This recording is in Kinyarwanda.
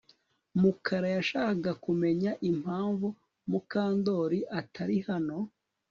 Mukara yashakaga kumenya impamvu Mukandoli atari hano